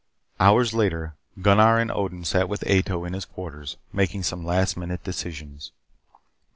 Hours later Gunnar and Odin sat with Ato in his quarters, making some last minute decisions.